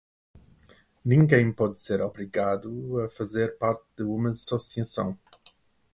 Ninguém pode ser obrigado a fazer parte de uma associação.